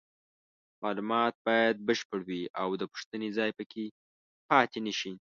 معلومات باید بشپړ وي او د پوښتنې ځای پکې پاتې نشي.